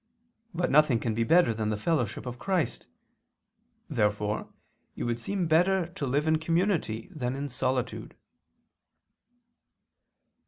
But nothing can be better than the fellowship of Christ. Therefore it would seem better to live in community than in solitude.